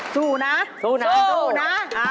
สู้นะสู้นะสู้นะ